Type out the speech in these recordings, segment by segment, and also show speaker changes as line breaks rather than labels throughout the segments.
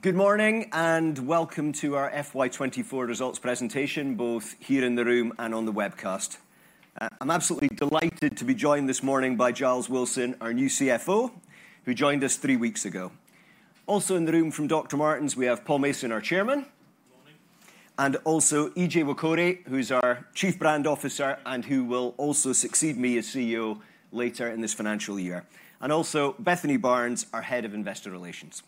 Good morning, and welcome to our FY24 results presentation, both here in the room and on the webcast. I'm absolutely delighted to be joined this morning by Giles Wilson, our new CFO, who joined us three weeks ago. Also in the room from Dr. Martens, we have Paul Mason, our Chairman.
Morning.
And also Ije Nwokorie, who's our Chief Brand Officer, and who will also succeed me as CEO later in this financial year, and also Bethany Barnes, our Head of Investor Relations.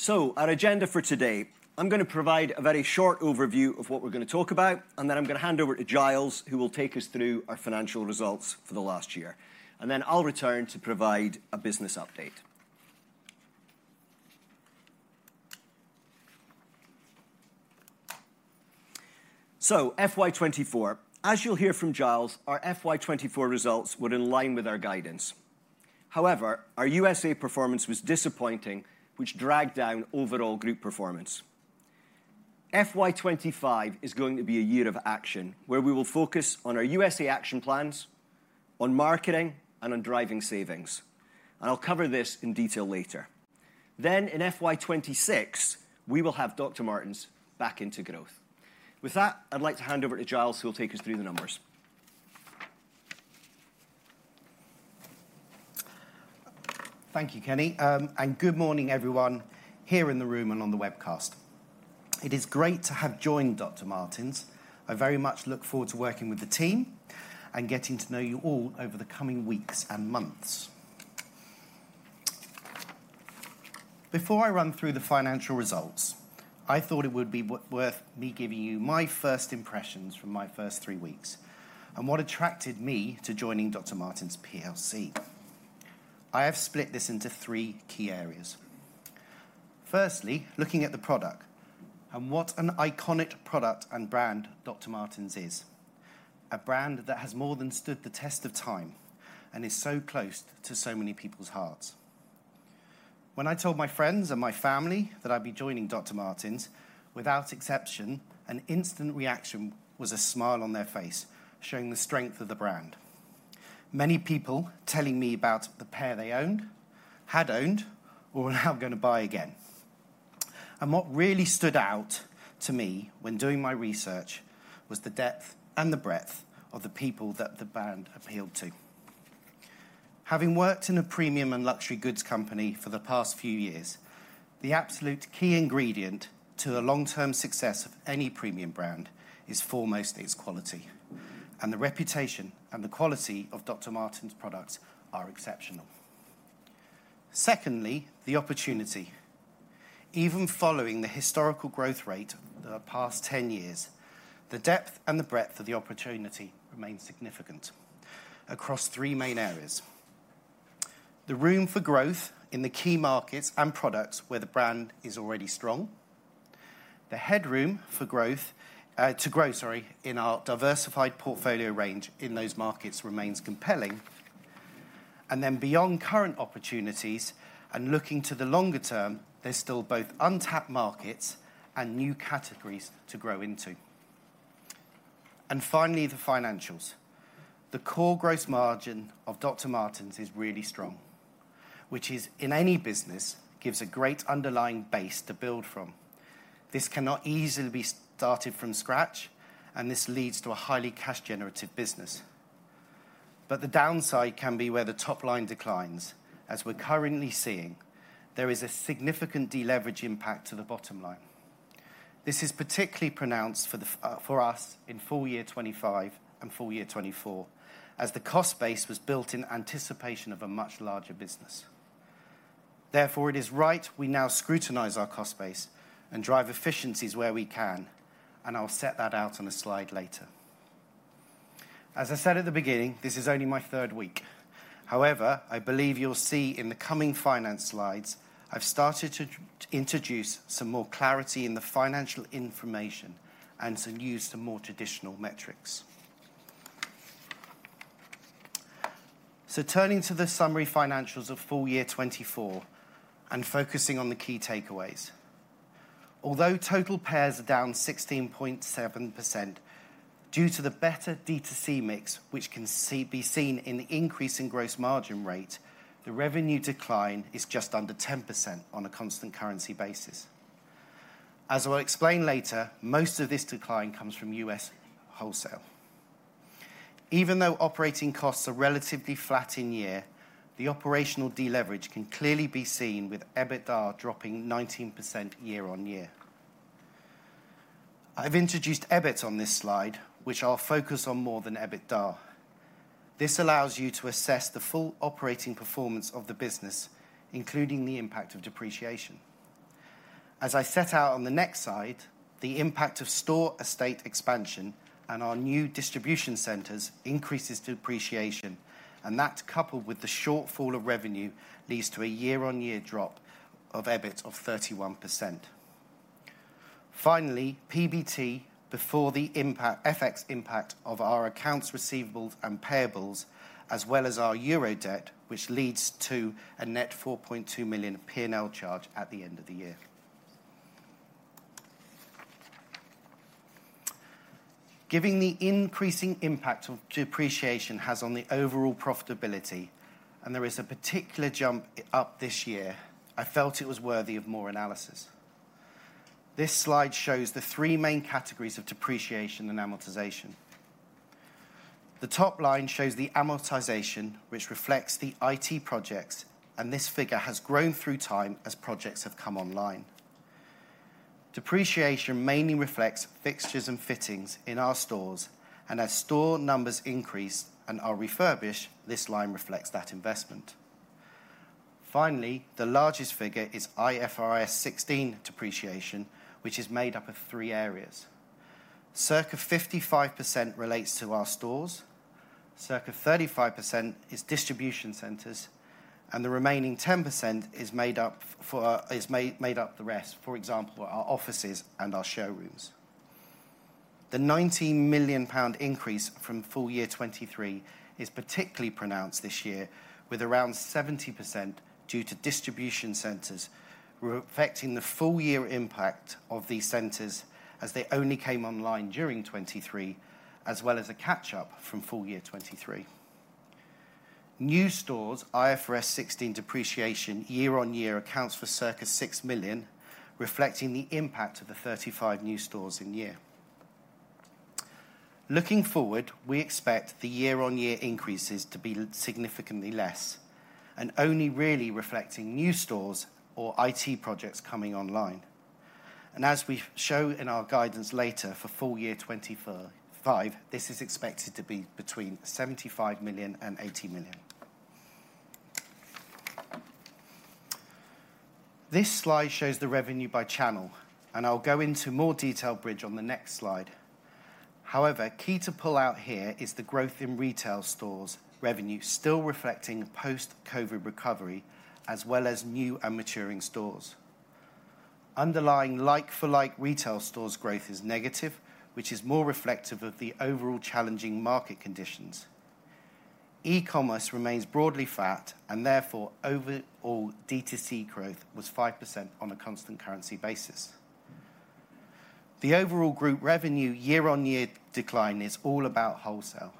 So our agenda for today, I'm gonna provide a very short overview of what we're gonna talk about, and then I'm gonna hand over to Giles, who will take us through our financial results for the last year. And then I'll return to provide a business update. So FY24. As you'll hear from Giles, our FY24 results were in line with our guidance. However, our USA performance was disappointing, which dragged down overall group performance. FY25 is going to be a year of action, where we will focus on our USA action plans, on marketing, and on driving savings, and I'll cover this in detail later. Then, in FY26, we will have Dr. Martens back into growth. With that, I'd like to hand over to Giles, who will take us through the numbers.
Thank you, Kenny. Good morning everyone here in the room and on the webcast. It is great to have joined Dr. Martens. I very much look forward to working with the team and getting to know you all over the coming weeks and months. Before I run through the financial results, I thought it would be worth me giving you my first impressions from my first three weeks, and what attracted me to joining Dr. Martens PLC. I have split this into three key areas. Firstly, looking at the product, and what an iconic product and brand Dr. Martens is. A brand that has more than stood the test of time and is so close to so many people's hearts. When I told my friends and my family that I'd be joining Dr. Martens, without exception, an instant reaction was a smile on their face, showing the strength of the brand. Many people telling me about the pair they owned, had owned, or were now going to buy again. What really stood out to me when doing my research was the depth and the breadth of the people that the brand appealed to. Having worked in a premium and luxury goods company for the past few years, the absolute key ingredient to the long-term success of any premium brand is foremost its quality, and the reputation and the quality of Dr. Martens products are exceptional. Secondly, the opportunity. Even following the historical growth rate of the past 10 years, the depth and the breadth of the opportunity remains significant across three main areas: the room for growth in the key markets and products where the brand is already strong, the headroom for growth in our diversified portfolio range in those markets remains compelling, and then beyond current opportunities and looking to the longer term, there's still both untapped markets and new categories to grow into. Finally, the financials. The core gross margin of Dr. Martens is really strong, which, in any business, gives a great underlying base to build from. This cannot easily be started from scratch, and this leads to a highly cash-generative business. But the downside can be where the top line declines, as we're currently seeing. There is a significant deleverage impact to the bottom line. This is particularly pronounced for the, for us in full year 2025 and full year 2024, as the cost base was built in anticipation of a much larger business. Therefore, it is right we now scrutinize our cost base and drive efficiencies where we can, and I'll set that out on a slide later. As I said at the beginning, this is only my third week. However, I believe you'll see in the coming finance slides, I've started to introduce some more clarity in the financial information and to use some more traditional metrics. So turning to the summary financials of full year 2024 and focusing on the key takeaways. Although total pairs are down 16.7%, due to the better D2C mix, which can see... Be seen in the increase in gross margin rate, the revenue decline is just under 10% on a constant currency basis. As I'll explain later, most of this decline comes from U.S. wholesale. Even though operating costs are relatively flat in year, the operational deleverage can clearly be seen, with EBITDA dropping 19% year-on-year. I've introduced EBIT on this slide, which I'll focus on more than EBITDA. This allows you to assess the full operating performance of the business, including the impact of depreciation. As I set out on the next slide, the impact of store estate expansion and our new distribution centers increases depreciation, and that, coupled with the shortfall of revenue, leads to a year-on-year drop of EBIT of 31%. Finally, PBT, before the FX impact of our accounts receivables and payables, as well as our euro debt, which leads to a net 4.2 million P&L charge at the end of the year. Given the increasing impact of depreciation has on the overall profitability, and there is a particular jump up this year, I felt it was worthy of more analysis. This slide shows the three main categories of depreciation and amortization. The top line shows the amortization, which reflects the IT projects, and this figure has grown through time as projects have come online. Depreciation mainly reflects fixtures and fittings in our stores, and as store numbers increase and are refurbished, this line reflects that investment. Finally, the largest figure is IFRS 16 depreciation, which is made up of three areas. Circa 55% relates to our stores, circa 35% is distribution centers, and the remaining 10% is made up of the rest, for example, our offices and our showrooms. The 19 million pound increase from full year 2023 is particularly pronounced this year, with around 70% due to distribution centers, reflecting the full year impact of these centers as they only came online during 2023, as well as a catch-up from full year 2023. New stores, IFRS 16 depreciation year-on-year accounts for circa 6 million, reflecting the impact of the 35 new stores in year. Looking forward, we expect the year-on-year increases to be significantly less and only really reflecting new stores or IT projects coming online. As we show in our guidance later, for full year 2025, this is expected to be between £75 million and £80 million. This slide shows the revenue by channel, and I'll go into more detailed bridge on the next slide. However, key to pull out here is the growth in retail stores' revenue still reflecting post-COVID recovery, as well as new and maturing stores. Underlying like-for-like retail stores growth is negative, which is more reflective of the overall challenging market conditions. E-commerce remains broadly flat, and therefore, overall D2C growth was 5% on a constant currency basis. The overall group revenue year-on-year decline is all about wholesale,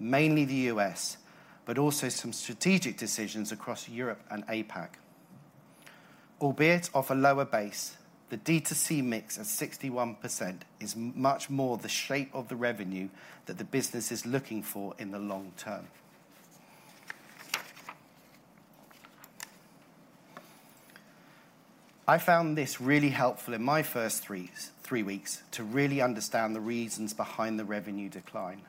mainly the U.S., but also some strategic decisions across Europe and APAC. Albeit off a lower base, the DTC mix of 61% is much more the shape of the revenue that the business is looking for in the long term. I found this really helpful in my first three weeks to really understand the reasons behind the revenue decline.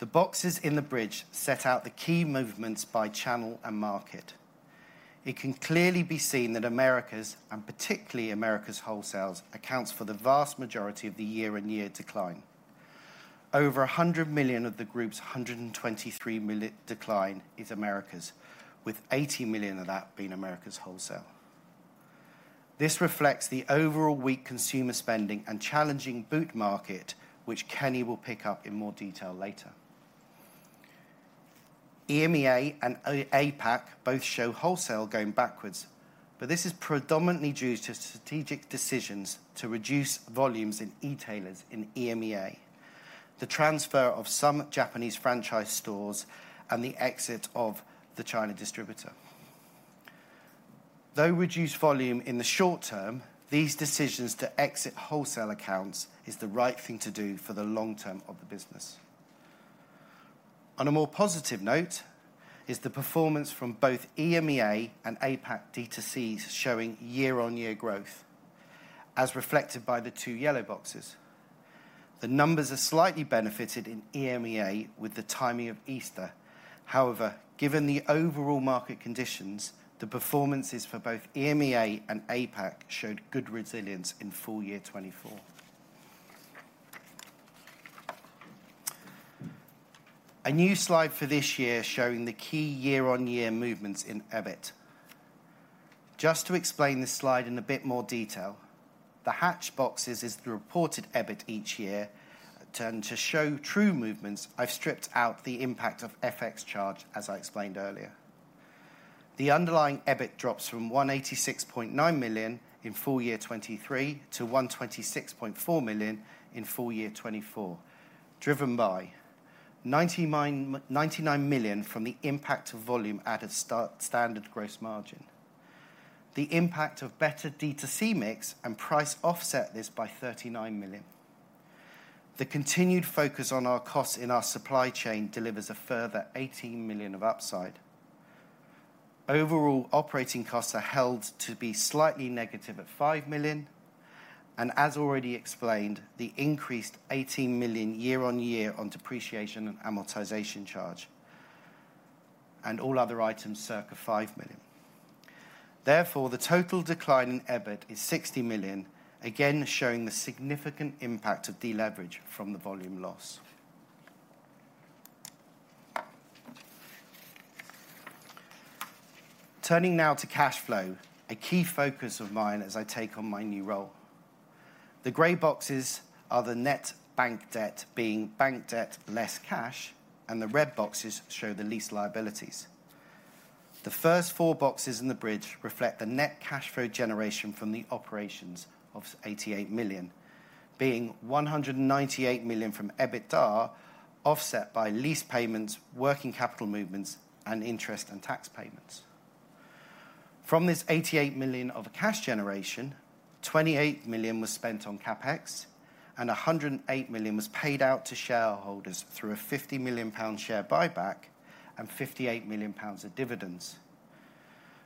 The boxes in the bridge set out the key movements by channel and market. It can clearly be seen that Americas, and particularly Americas Wholesale, accounts for the vast majority of the year-on-year decline. Over 100 million of the group's 123 million decline is Americas, with 80 million of that being Americas Wholesale. This reflects the overall weak consumer spending and challenging boot market, which Kenny will pick up in more detail later. EMEA and APAC both show wholesale going backwards, but this is predominantly due to strategic decisions to reduce volumes in e-tailers in EMEA, the transfer of some Japanese franchise stores, and the exit of the China distributor. Though reduced volume in the short term, these decisions to exit wholesale accounts is the right thing to do for the long term of the business. On a more positive note, is the performance from both EMEA and APAC D2C showing year-on-year growth, as reflected by the two yellow boxes. The numbers are slightly benefited in EMEA with the timing of Easter. However, given the overall market conditions, the performances for both EMEA and APAC showed good resilience in full year 2024. A new slide for this year showing the key year-on-year movements in EBIT. Just to explain this slide in a bit more detail, the hatched boxes is the reported EBIT each year. To show true movements, I've stripped out the impact of FX charge, as I explained earlier. The underlying EBIT drops from 186.9 million in full year 2023 to 126.4 million in full year 2024, driven by 99 million from the impact of volume at a standard gross margin. The impact of better D2C mix and price offset this by 39 million. The continued focus on our costs in our supply chain delivers a further 18 million of upside. Overall, operating costs are held to be slightly negative at 5 million, and as already explained, the increased 18 million year-on-year on depreciation and amortization charge, and all other items, circa 5 million. Therefore, the total decline in EBIT is 60 million, again, showing the significant impact of deleverage from the volume loss. Turning now to cash flow, a key focus of mine as I take on my new role. The gray boxes are the net bank debt, being bank debt less cash, and the red boxes show the lease liabilities. The first four boxes in the bridge reflect the net cash flow generation from the operations of 88 million, being 198 million from EBITDA, offset by lease payments, working capital movements, and interest and tax payments. From this 88 million of cash generation, 28 million was spent on CapEx, and 108 million was paid out to shareholders through a 50 million pound share buyback and 58 million pounds of dividends.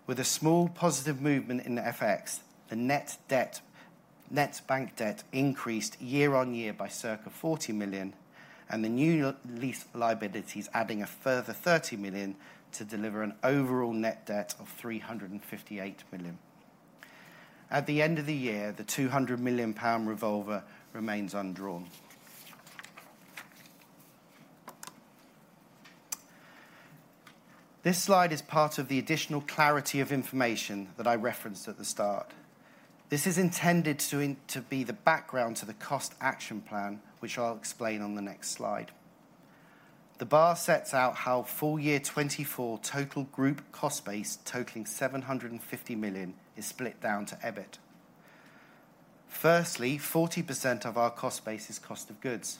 With a small positive movement in the FX, the net debt, net bank debt increased year-on-year by circa 40 million, and the new lease liabilities adding a further 30 million to deliver an overall net debt of 358 million. At the end of the year, the 200 million pound revolver remains undrawn. This slide is part of the additional clarity of information that I referenced at the start. This is intended to be the background to the cost action plan, which I'll explain on the next slide. The bar sets out how full year 2024 total group cost base, totaling 750 million, is split down to EBIT. Firstly, 40% of our cost base is cost of goods,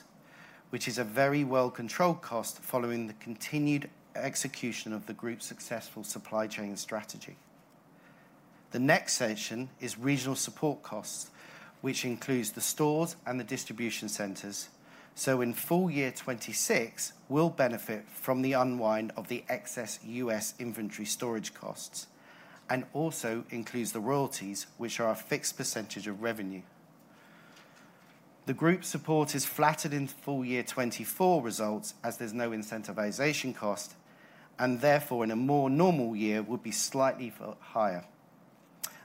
which is a very well-controlled cost following the continued execution of the group's successful supply chain strategy. The next section is regional support costs, which includes the stores and the distribution centers, so in full year 2026, we'll benefit from the unwind of the excess U.S. inventory storage costs, and also includes the royalties, which are a fixed percentage of revenue. The group support is flattered in full year 2024 results, as there's no incentivization cost, and therefore, in a more normal year, would be slightly higher,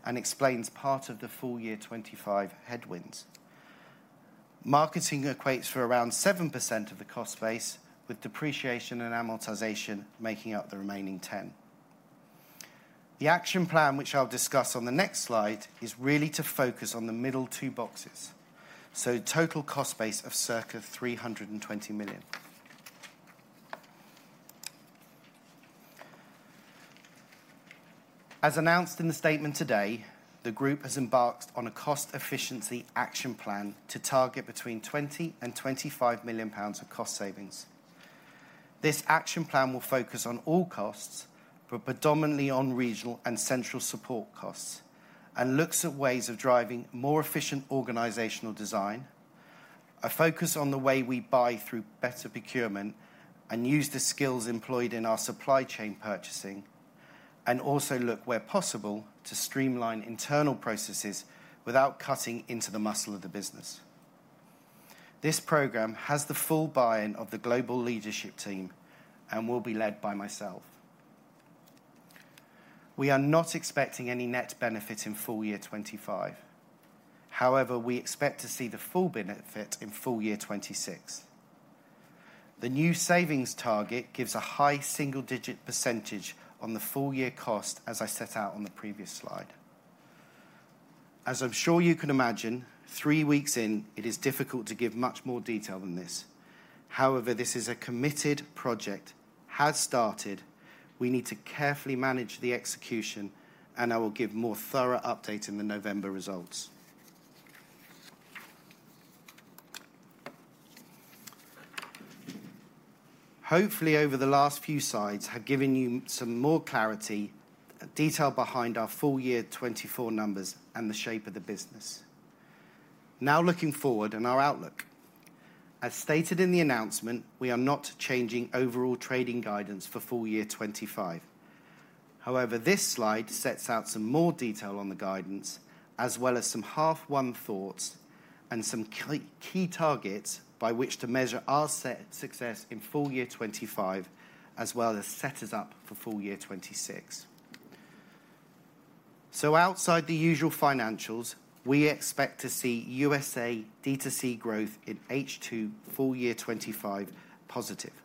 and explains part of the full year 2025 headwinds. Marketing accounts for around 7% of the cost base, with depreciation and amortization making up the remaining 10%. The action plan, which I'll discuss on the next slide, is really to focus on the middle two boxes, so total cost base of circa 320 million. As announced in the statement today, the group has embarked on a cost efficiency action plan to target between 20 million and 25 million pounds of cost savings. This action plan will focus on all costs, but predominantly on regional and central support costs, and looks at ways of driving more efficient organizational design, a focus on the way we buy through better procurement, and use the skills employed in our supply chain purchasing, and also look, where possible, to streamline internal processes without cutting into the muscle of the business. This program has the full buy-in of the global leadership team and will be led by myself. We are not expecting any net benefit in full year 2025. However, we expect to see the full benefit in full year 2026. The new savings target gives a high single-digit % on the full year cost, as I set out on the previous slide. As I'm sure you can imagine, three weeks in, it is difficult to give much more detail than this. However, this is a committed project, has started, we need to carefully manage the execution, and I will give more thorough update in the November results. Hopefully, over the last few slides, I have given you some more clarity and detail behind our full year 2024 numbers and the shape of the business. Now, looking forward and our outlook. As stated in the announcement, we are not changing overall trading guidance for full year 2025. However, this slide sets out some more detail on the guidance, as well as some H1 thoughts and some key, key targets by which to measure our success in full year 2025, as well as set us up for full year 2026. So outside the usual financials, we expect to see USA DTC growth in H2 full year 2025 positive,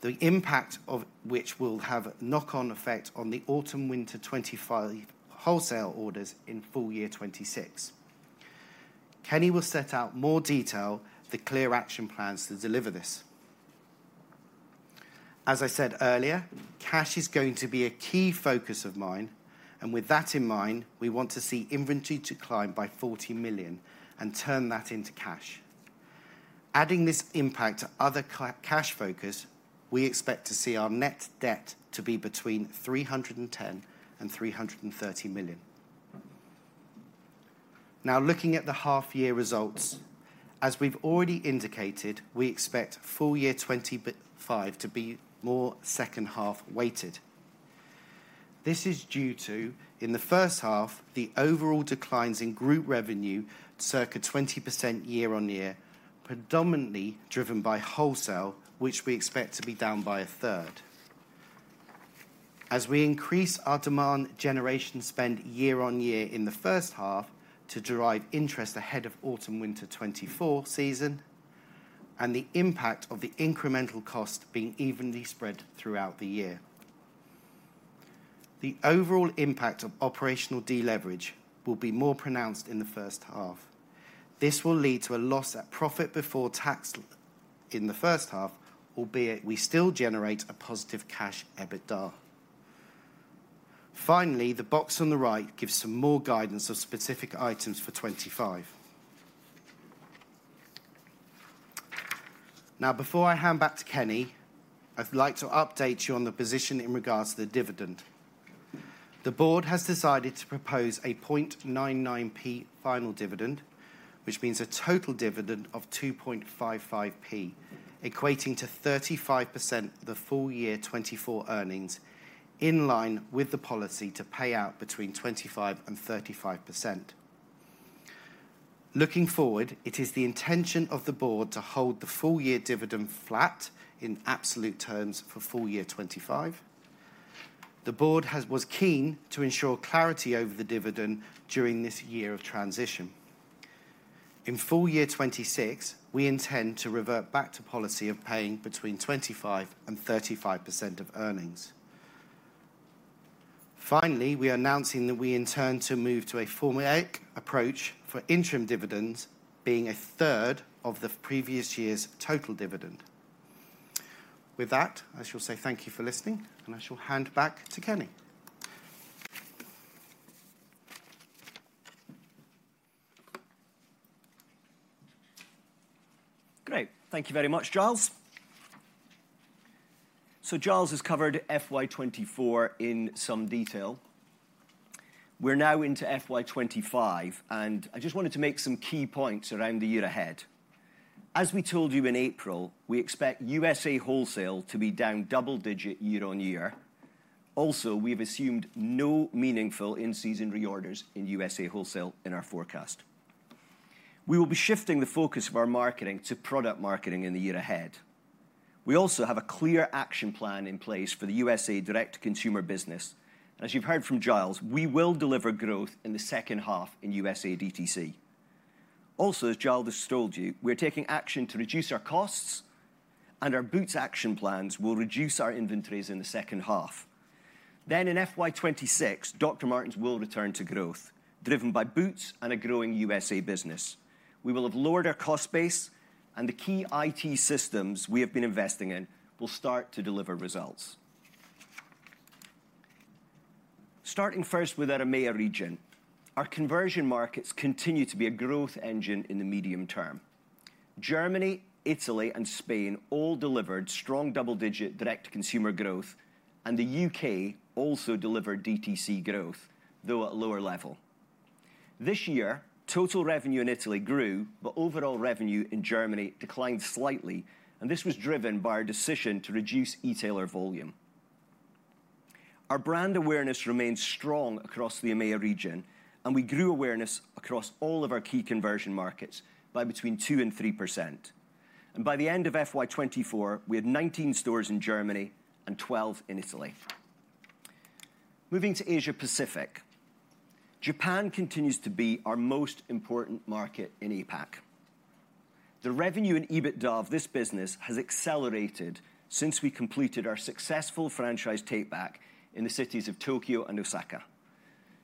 the impact of which will have a knock-on effect on the Autumn/Winter 2025 wholesale orders in full year 2026. Kenny will set out more detail the clear action plans to deliver this. As I said earlier, cash is going to be a key focus of mine, and with that in mind, we want to see inventory decline by 40 million and turn that into cash. Adding this impact to other cash focus, we expect to see our net debt to be between 310 million and 330 million. Now, looking at the half year results, as we've already indicated, we expect full year 2025 to be more second half weighted. This is due to, in the first half, the overall declines in group revenue, circa 20% year-on-year, predominantly driven by wholesale, which we expect to be down by a third. As we increase our demand generation spend year-on-year in the first half to drive interest ahead of Autumn/Winter 2024 season, and the impact of the incremental cost being evenly spread throughout the year. The overall impact of operational deleverage will be more pronounced in the first half. This will lead to a loss at profit before tax l-... In the first half, albeit we still generate a positive cash EBITDA. Finally, the box on the right gives some more guidance of specific items for 2025. Now, before I hand back to Kenny, I'd like to update you on the position in regards to the dividend. The Board has decided to propose a 0.99p final dividend, which means a total dividend of 2.55p, equating to 35% the full year 2024 earnings, in line with the policy to pay out between 25%-35%. Looking forward, it is the intention of the Board to hold the full year dividend flat in absolute terms for full year 2025. The Board was keen to ensure clarity over the dividend during this year of transition. In full year 2026, we intend to revert back to policy of paying between 25%-35% of earnings. Finally, we are announcing that we intend to move to a formulaic approach for interim dividends, being a third of the previous year's total dividend. With that, I shall say thank you for listening, and I shall hand back to Kenny.
Great. Thank you very much, Giles. So Giles has covered FY24 in some detail. We're now into FY25, and I just wanted to make some key points around the year ahead. As we told you in April, we expect USA wholesale to be down double digit year-on-year. Also, we've assumed no meaningful in-season reorders in USA wholesale in our forecast. We will be shifting the focus of our marketing to product marketing in the year ahead. We also have a clear action plan in place for the USA direct-to-consumer business. As you've heard from Giles, we will deliver growth in the second half in USA DTC. Also, as Giles has told you, we're taking action to reduce our costs, and our boots action plans will reduce our inventories in the second half. Then in FY26, Dr. Martens will return to growth, driven by boots and a growing U.S. business. We will have lowered our cost base, and the key IT systems we have been investing in will start to deliver results. Starting first with our EMEA region, our conversion markets continue to be a growth engine in the medium term. Germany, Italy, and Spain all delivered strong double-digit direct-to-consumer growth, and the U.K. also delivered DTC growth, though at lower level. This year, total revenue in Italy grew, but overall revenue in Germany declined slightly, and this was driven by our decision to reduce e-tailer volume. Our brand awareness remains strong across the EMEA region, and we grew awareness across all of our key conversion markets by between 2%-3%. By the end of FY2024, we had 19 stores in Germany and 12 in Italy. Moving to Asia Pacific, Japan continues to be our most important market in APAC. The revenue and EBITDA of this business has accelerated since we completed our successful franchise take back in the cities of Tokyo and Osaka.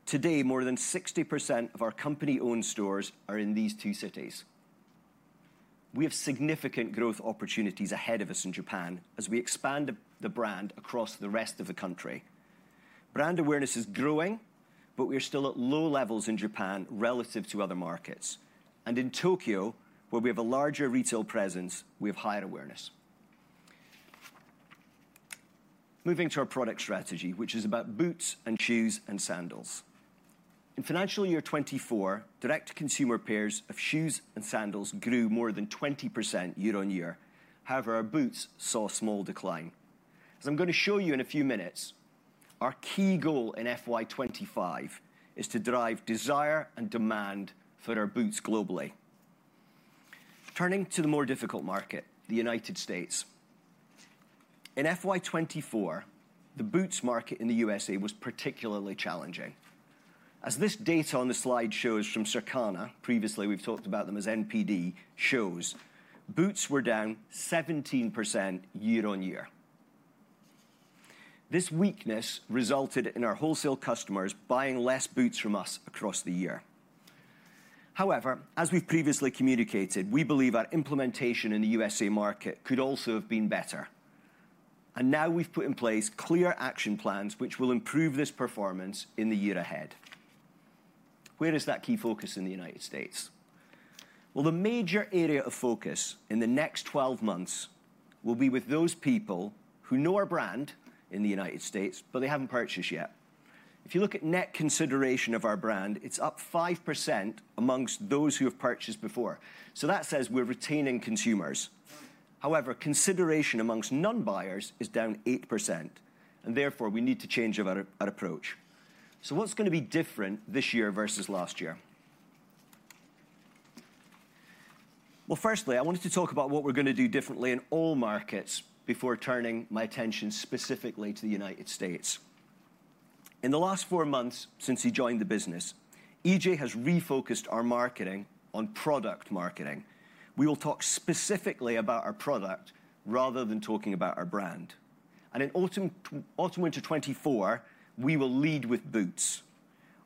Today, more than 60% of our company-owned stores are in these two cities. We have significant growth opportunities ahead of us in Japan as we expand the brand across the rest of the country. Brand awareness is growing, but we are still at low levels in Japan relative to other markets, and in Tokyo, where we have a larger retail presence, we have higher awareness. Moving to our product strategy, which is about boots and shoes and sandals. In financial year 2024, direct-to-consumer pairs of shoes and sandals grew more than 20% year-over-year. However, our boots saw a small decline. As I'm gonna show you in a few minutes, our key goal in FY25 is to drive desire and demand for our boots globally. Turning to the more difficult market, the United States. In FY24, the boots market in the USA was particularly challenging. As this data on the slide shows from Circana, previously we've talked about them as NPD, boots were down 17% year-over-year. This weakness resulted in our wholesale customers buying less boots from us across the year. However, as we've previously communicated, we believe our implementation in the USA market could also have been better, and now we've put in place clear action plans which will improve this performance in the year ahead. Where is that key focus in the United States? Well, the major area of focus in the next 12 months will be with those people who know our brand in the United States, but they haven't purchased yet. If you look at net consideration of our brand, it's up 5% among those who have purchased before. So that says we're retaining consumers. However, consideration among non-buyers is down 8%, and therefore, we need to change our, our approach. So what's gonna be different this year versus last year? Well, first, I wanted to talk about what we're gonna do differently in all markets before turning my attention specifically to the United States. In the last four months since he joined the business, Ije has refocused our marketing on product marketing. We will talk specifically about our product rather than talking about our brand. And in autumn, autumn-winter 2024, we will lead with boots.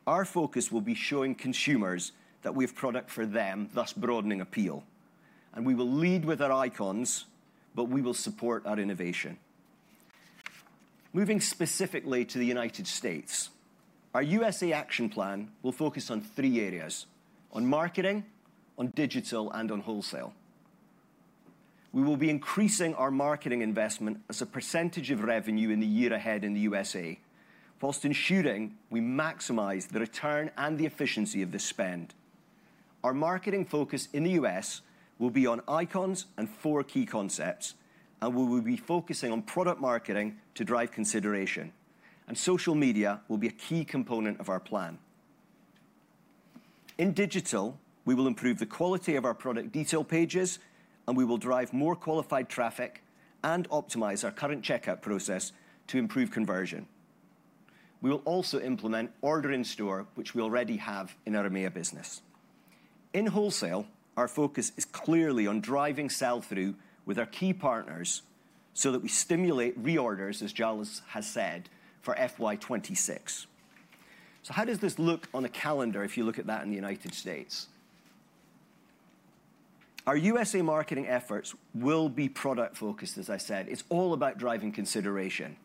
Our focus will be showing consumers that we have product for them, thus broadening appeal. We will lead with our Icons, but we will support our innovation. Moving specifically to the United States, our USA action plan will focus on three areas: on marketing, on digital, and on wholesale. We will be increasing our marketing investment as a percentage of revenue in the year ahead in the USA, while ensuring we maximize the return and the efficiency of the spend. Our marketing focus in the U.S. will be on Icons and four key concepts, and we will be focusing on product marketing to drive consideration, and social media will be a key component of our plan. In digital, we will improve the quality of our product detail pages, and we will drive more qualified traffic and optimize our current checkout process to improve conversion. We will also implement order in store, which we already have in our EMEA business. In wholesale, our focus is clearly on driving sell-through with our key partners so that we stimulate reorders, as Giles has said, for FY26. So how does this look on a calendar if you look at that in the United States? Our USA marketing efforts will be product-focused, as I said. It's all about driving consideration.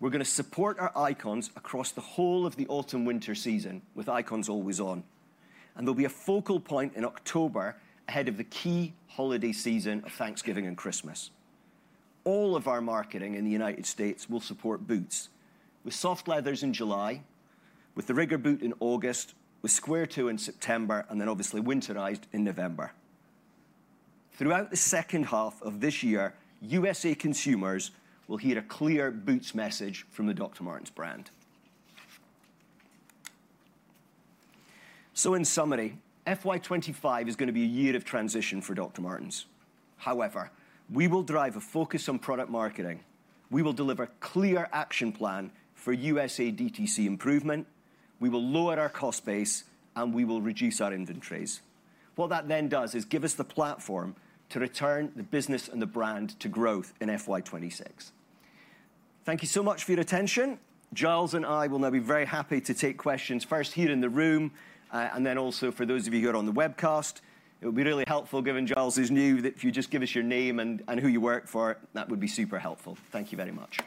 We're gonna support our Icons across the whole of the Autumn/Winter season with Icons always on, and there'll be a focal point in October ahead of the key holiday season of Thanksgiving and Christmas. All of our marketing in the United States will support boots, with Soft Leathers in July, with the Rigger boot in August, with Square Toe in September, and then obviously Winterized in November. Throughout the second half of this year, USA consumers will hear a clear boots message from the Dr. Martens brand. So in summary, FY 25 is gonna be a year of transition for Dr. Martens. However, we will drive a focus on product marketing. We will deliver clear action plan for USA DTC improvement, we will lower our cost base, and we will reduce our inventories. What that then does is give us the platform to return the business and the brand to growth in FY 26. Thank you so much for your attention. Giles and I will now be very happy to take questions first here in the room, and then also for those of you who are on the webcast, it would be really helpful, given Giles is new, that if you just give us your name and who you work for, that would be super helpful. Thank you very much.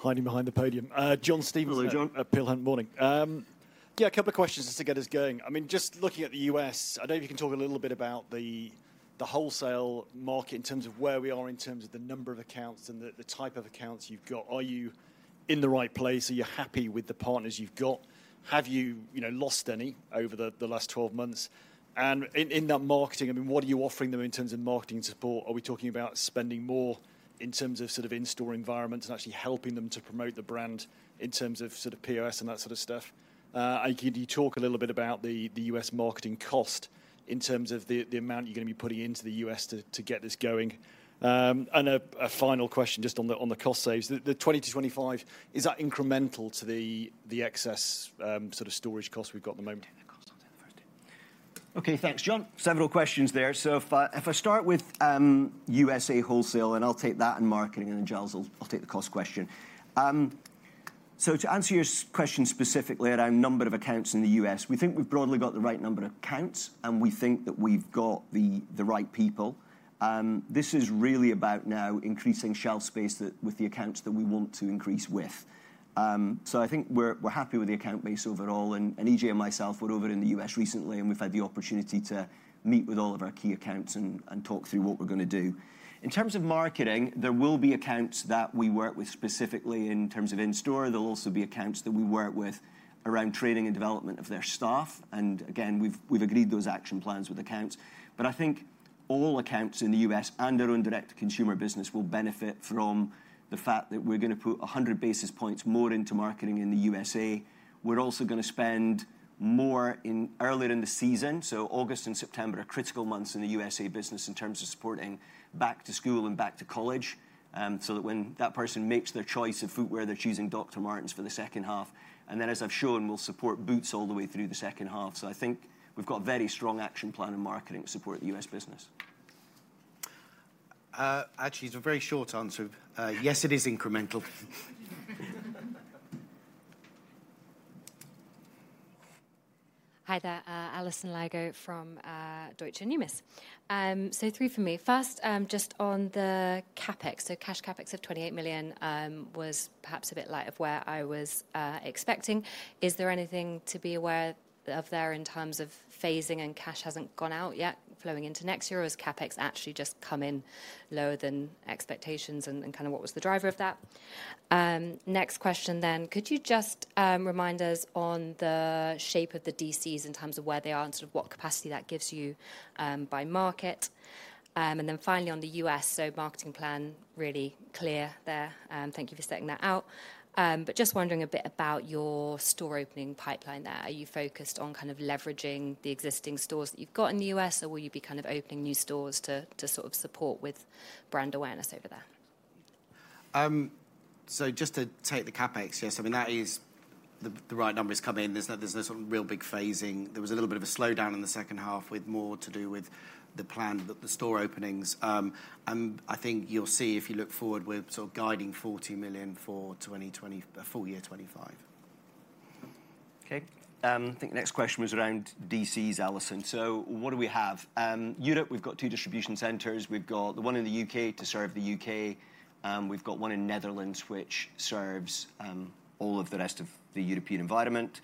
Hiding behind the podium. John Stevenson-
Hello, John.
Peel Hunt. Morning. Yeah, a couple of questions just to get us going. I mean, just looking at the U.S., I don't know if you can talk a little bit about the, the wholesale market in terms of where we are, in terms of the number of accounts and the, the type of accounts you've got. Are you in the right place? Are you happy with the partners you've got? Have you, you know, lost any over the, the last 12 months? And in, in that marketing, I mean, what are you offering them in terms of marketing support? Are we talking about spending more in terms of sort of in-store environments and actually helping them to promote the brand in terms of sort of POS and that sort of stuff? And could you talk a little bit about the U.S. marketing cost in terms of the amount you're gonna be putting into the U.S. to get this going? And a final question, just on the cost saves. The 20-25, is that incremental to the excess sort of storage costs we've got at the moment?
I'll take the cost. I'll take the first two.
Okay. Thanks, John.
Several questions there. So if I start with USA wholesale, and I'll take that and marketing, and then Giles will... I'll take the cost question. So to answer your question specifically around number of accounts in the U.S., we think we've broadly got the right number of accounts, and we think that we've got the right people. This is really about now increasing shelf space that with the accounts that we want to increase with. So I think we're happy with the account base overall, and Ije and myself were over in the U.S. recently, and we've had the opportunity to meet with all of our key accounts and talk through what we're gonna do. In terms of marketing, there will be accounts that we work with specifically in terms of in-store. There'll also be accounts that we work with around training and development of their staff, and again, we've agreed those action plans with accounts. But I think all accounts in the U.S. and our own direct consumer business will benefit from the fact that we're gonna put 100 basis points more into marketing in the USA. We're also gonna spend more earlier in the season, so August and September are critical months in the USA business in terms of supporting back to school and back to college. So that when that person makes their choice of footwear, they're choosing Dr. Martens for the second half, and then, as I've shown, we'll support boots all the way through the second half. So I think we've got a very strong action plan in marketing to support the U.S. business.
Actually, it's a very short answer. Yes, it is incremental.
Hi there, Alessandra Lago from Deutsche Numis. So three for me. First, just on the CapEx, so cash CapEx of 28 million was perhaps a bit light of where I was expecting. Is there anything to be aware of there in terms of phasing and cash hasn't gone out yet, flowing into next year? Or has CapEx actually just come in lower than expectations, and, and kind of what was the driver of that? Next question then, could you just remind us on the shape of the DCs in terms of where they are and sort of what capacity that gives you by market? And then finally, on the U.S., so marketing plan, really clear there, thank you for setting that out. But just wondering a bit about your store opening pipeline there. Are you focused on kind of leveraging the existing stores that you've got in the U.S., or will you be kind of opening new stores to sort of support with brand awareness over there?...
So just to take the CapEx, yes, I mean, that is the right numbers come in. There's no sort of real big phasing. There was a little bit of a slowdown in the second half, with more to do with the plan, the store openings. And I think you'll see, if you look forward, we're sort of guiding 40 million for 2025 full year. Okay, I think the next question was around DCs, Alison. So what do we have? Europe, we've got 2 distribution centers. We've got the one in the U.K. to serve the U.K. We've got one in the Netherlands, which serves all of the rest of the European environment.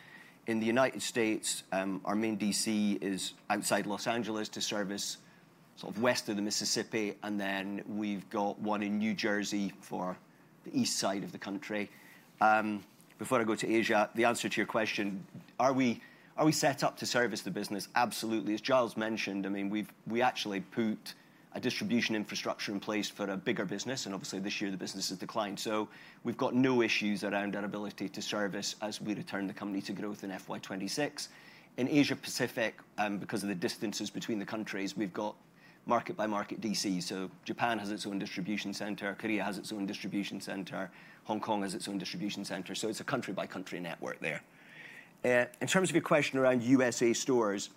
In the United States, our main DC is outside Los Angeles to service sort of west of the Mississippi, and then we've got one in New Jersey for the east side of the country. Before I go to Asia, the answer to your question, are we, are we set up to service the business? Absolutely. As Giles mentioned, I mean, we actually put a distribution infrastructure in place for a bigger business, and obviously, this year the business has declined. So we've got no issues around our ability to service as we return the company to growth in FY26. In Asia-Pacific, because of the distances between the countries, we've got market-by-market DC. So Japan has its own distribution center, Korea has its own distribution center, Hong Kong has its own distribution center, so it's a country-by-country network there. In terms of your question around USA stores,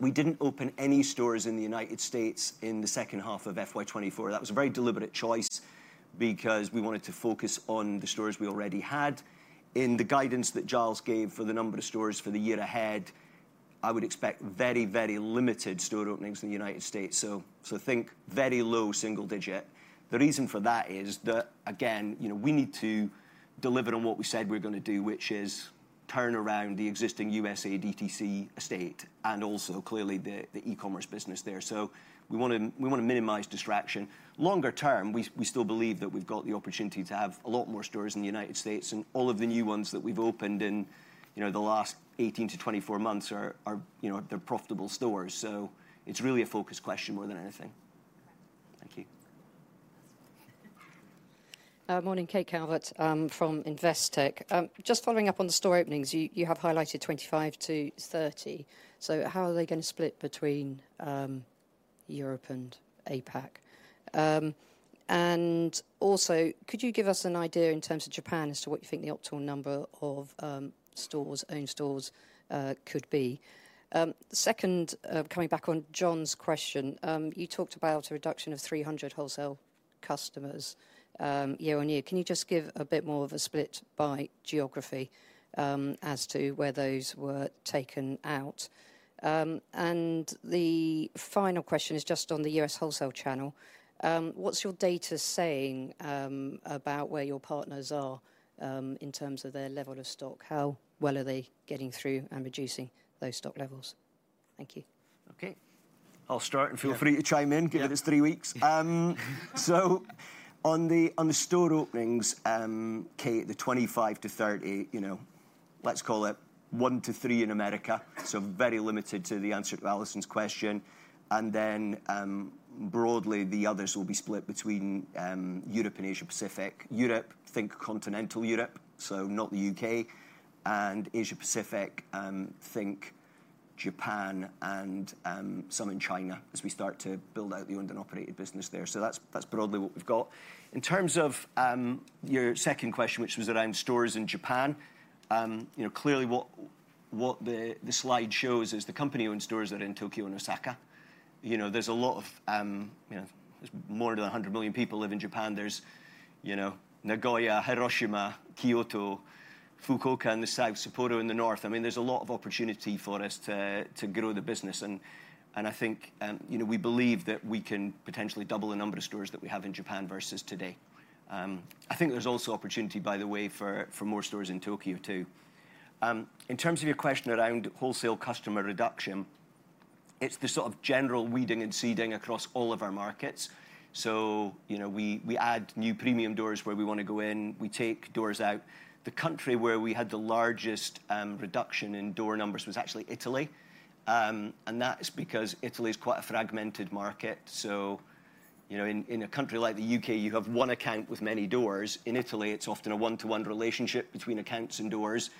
we didn't open any stores in the United States in the second half of FY24. That was a very deliberate choice because we wanted to focus on the stores we already had. In the guidance that Giles gave for the number of stores for the year ahead, I would expect very, very limited store openings in the United States, so think very low single digit. The reason for that is that, again, you know, we need to deliver on what we said we're gonna do, which is turn around the existing USA DTC estate, and also clearly the e-commerce business there. So we wanna minimize distraction. Longer term, we, we still believe that we've got the opportunity to have a lot more stores in the United States, and all of the new ones that we've opened in, you know, the last 18-24 months are, are, you know... they're profitable stores. So it's really a focus question more than anything. Thank you.
Morning, Kate Calvert, from Investec. Just following up on the store openings, you have highlighted 25-30. So how are they gonna split between Europe and APAC? And also, could you give us an idea in terms of Japan as to what you think the optimal number of stores, owned stores, could be? Second, coming back on John's question, you talked about a reduction of 300 wholesale customers, year on year. Can you just give a bit more of a split by geography as to where those were taken out? And the final question is just on the U.S. wholesale channel. What's your data saying about where your partners are in terms of their level of stock? How well are they getting through and reducing those stock levels? Thank you.
Okay. I'll start, and feel free to chime in, given it's three weeks. So on the store openings, Kate, the 25-30, you know, let's call it 1-3 in America, so very limited to the answer to Alessandra's question. And then, broadly, the others will be split between Europe and Asia-Pacific. Europe, think continental Europe, so not the U.K., and Asia-Pacific, think Japan and some in China as we start to build out the owned and operated business there. So that's broadly what we've got. In terms of your second question, which was around stores in Japan, you know, clearly, what the slide shows is the company-owned stores are in Tokyo and Osaka. You know, there's more than 100 million people live in Japan. There's, you know, Nagoya, Hiroshima, Kyoto, Fukuoka in the south, Sapporo in the north. I mean, there's a lot of opportunity for us to grow the business. And I think, you know, we believe that we can potentially double the number of stores that we have in Japan versus today. I think there's also opportunity, by the way, for more stores in Tokyo, too. In terms of your question around wholesale customer reduction, it's the sort of general weeding and seeding across all of our markets. So, you know, we add new premium doors where we wanna go in, we take doors out. The country where we had the largest reduction in door numbers was actually Italy, and that is because Italy is quite a fragmented market. So, you know, in a country like the U.K., you have one account with many doors. In Italy, it's often a one-to-one relationship between accounts and doors,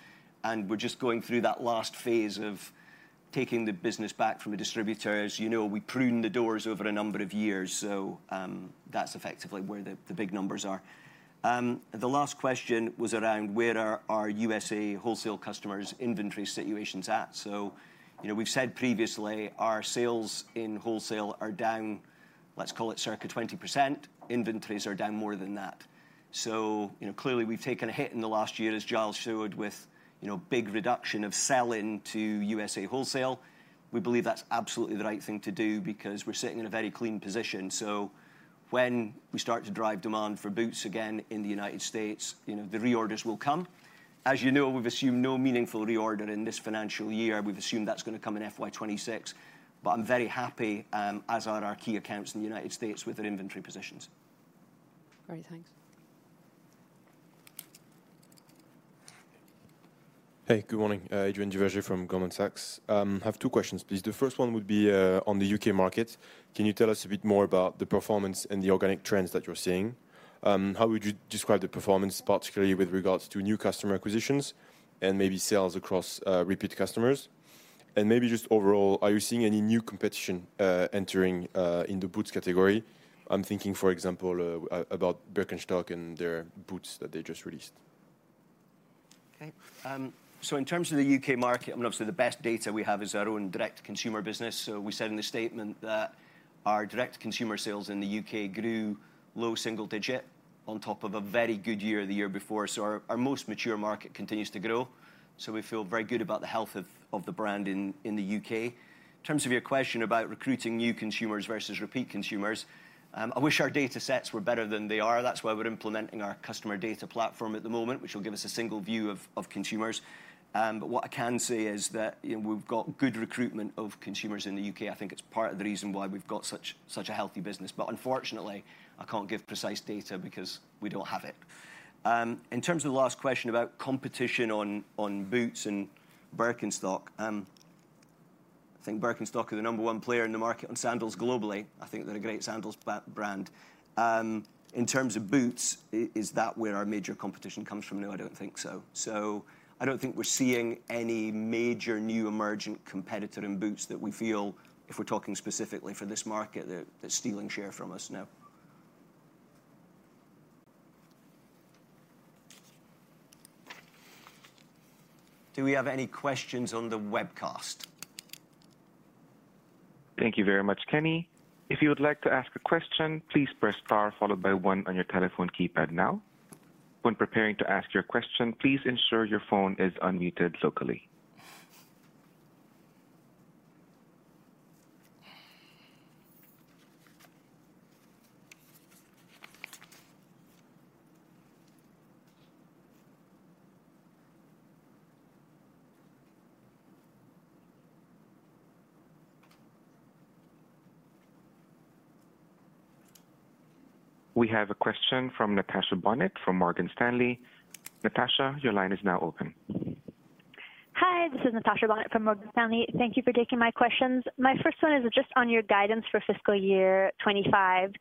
and we're just going through that last phase of taking the business back from a distributor. As you know, we pruned the doors over a number of years, so that's effectively where the big numbers are. The last question was around where are our USA wholesale customers' inventory situations at? So, you know, we've said previously, our sales in wholesale are down, let's call it circa 20%. Inventories are down more than that. So, you know, clearly, we've taken a hit in the last year, as Giles showed, with, you know, big reduction of selling to USA wholesale. We believe that's absolutely the right thing to do because we're sitting in a very clean position. So when we start to drive demand for boots again in the United States, you know, the reorders will come. As you know, we've assumed no meaningful reorder in this financial year. We've assumed that's gonna come in FY26, but I'm very happy, as are our key accounts in the United States, with their inventory positions.
Great. Thanks.
Hey, good morning. Richard Edwards from Goldman Sachs. I have two questions, please. The first one would be on the U.K. market. Can you tell us a bit more about the performance and the organic trends that you're seeing? How would you describe the performance, particularly with regards to new customer acquisitions and maybe sales across repeat customers? And maybe just overall, are you seeing any new competition entering in the boots category? I'm thinking, for example, about Birkenstock and their boots that they just released....
Okay, so in terms of the U.K. market, I mean, obviously, the best data we have is our own direct consumer business. So we said in the statement that our direct consumer sales in the U.K. grew low single digit on top of a very good year the year before. So our most mature market continues to grow, so we feel very good about the health of the brand in the U.K. In terms of your question about recruiting new consumers versus repeat consumers, I wish our data sets were better than they are. That's why we're implementing our customer data platform at the moment, which will give us a single view of consumers. But what I can say is that, you know, we've got good recruitment of consumers in the U.K. I think it's part of the reason why we've got such a healthy business. But unfortunately, I can't give precise data because we don't have it. In terms of the last question about competition on boots and Birkenstock, I think Birkenstock are the number one player in the market on sandals globally. I think they're a great sandals brand. In terms of boots, is that where our major competition comes from? No, I don't think so. So I don't think we're seeing any major new emergent competitor in boots that we feel, if we're talking specifically for this market, they're stealing share from us, no. Do we have any questions on the webcast?
Thank you very much, Kenny. If you would like to ask a question, please press Star, followed by One on your telephone keypad now. When preparing to ask your question, please ensure your phone is unmuted locally. We have a question from Natasha Barnett from Morgan Stanley. Natasha, your line is now open.
Hi, this is Natasha Barnett from Morgan Stanley. Thank you for taking my questions. My first one is just on your guidance for fiscal year 2025,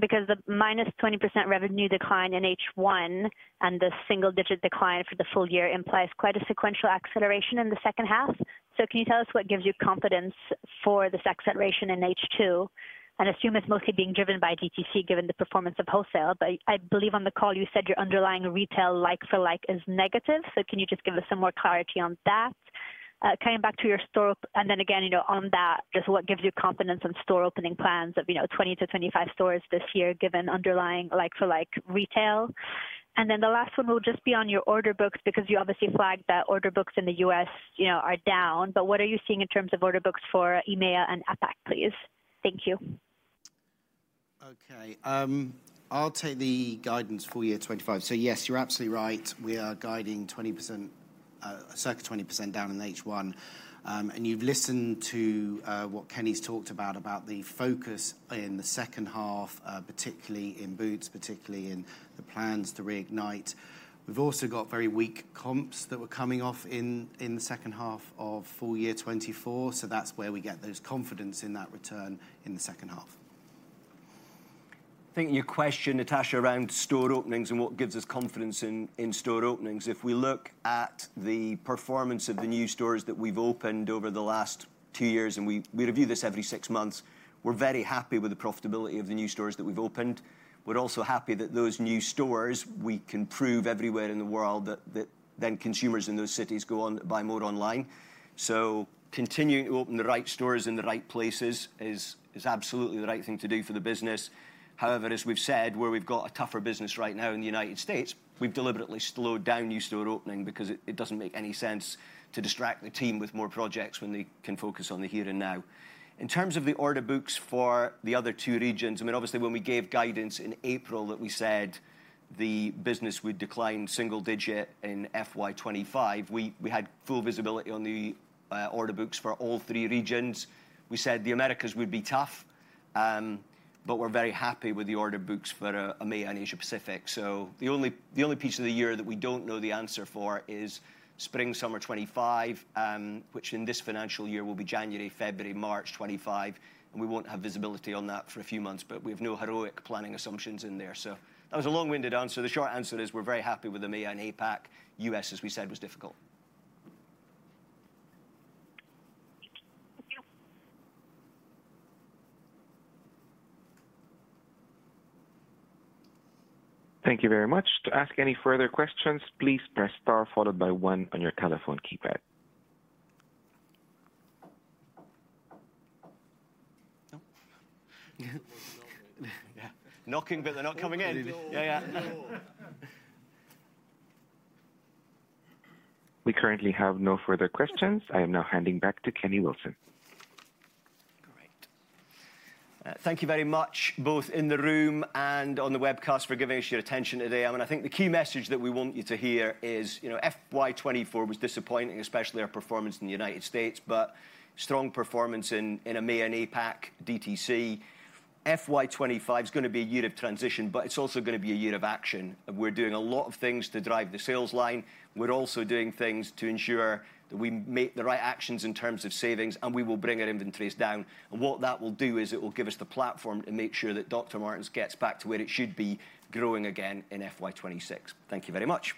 because the -20% revenue decline in H1 and the single-digit decline for the full year implies quite a sequential acceleration in the second half. So can you tell us what gives you confidence for this acceleration in H2? And assume it's mostly being driven by DTC, given the performance of wholesale, but I believe on the call you said your underlying retail like for like is negative. So can you just give us some more clarity on that? Coming back to your store... And then again, you know, on that, just what gives you confidence on store opening plans of, you know, 20-25 stores this year, given underlying like-for-like retail? Then the last one will just be on your order books, because you obviously flagged that order books in the US, you know, are down, but what are you seeing in terms of order books for EMEA and APAC, please? Thank you.
Okay, I'll take the guidance for year 25. So yes, you're absolutely right. We are guiding 20%, circa 20% down in H1. And you've listened to what Kenny's talked about, about the focus in the second half, particularly in boots, particularly in the plans to reignite. We've also got very weak comps that were coming off in the second half of full year 2024, so that's where we get those confidence in that return in the second half.
I think your question, Natasha, around store openings and what gives us confidence in store openings. If we look at the performance of the new stores that we've opened over the last two years, and we review this every six months, we're very happy with the profitability of the new stores that we've opened. We're also happy that those new stores, we can prove everywhere in the world that then consumers in those cities go on to buy more online. So continuing to open the right stores in the right places is absolutely the right thing to do for the business. However, as we've said, where we've got a tougher business right now in the United States, we've deliberately slowed down new store opening because it doesn't make any sense to distract the team with more projects when they can focus on the here and now. In terms of the order books for the other two regions, I mean, obviously, when we gave guidance in April, that we said the business would decline single-digit in FY25, we had full visibility on the order books for all three regions. We said the Americas would be tough, but we're very happy with the order books for EMEA and Asia Pacific. So the only, the only piece of the year that we don't know the answer for is Spring/Summer 2025, which in this financial year will be January, February, March 2025, and we won't have visibility on that for a few months, but we have no heroic planning assumptions in there. That was a long-winded answer. The short answer is we're very happy with EMEA and APAC. U.S., as we said, was difficult.
Thank you.
Thank you very much. To ask any further questions, please press Star, followed by One on your telephone keypad.
No? Yeah. Knocking, but they're not coming in.
Yeah, yeah.
We currently have no further questions. I am now handing back to Kenny Wilson.
Great. Thank you very much, both in the room and on the webcast, for giving us your attention today. I mean, I think the key message that we want you to hear is, you know, FY 2024 was disappointing, especially our performance in the United States, but strong performance in, in EMEA and APAC, DTC. FY 2025 is gonna be a year of transition, but it's also gonna be a year of action, and we're doing a lot of things to drive the sales line. We're also doing things to ensure that we make the right actions in terms of savings, and we will bring our inventories down. And what that will do is it will give us the platform to make sure that Dr. Martens gets back to where it should be, growing again in FY 2026. Thank you very much!